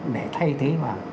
để thay thế vào